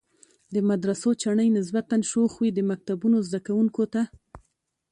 د مدرسو چڼې نسبتاً شوخ وي، د مکتبونو زده کوونکو ته.